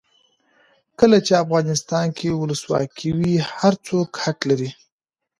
کله چې افغانستان کې ولسواکي وي هر څوک حق لري.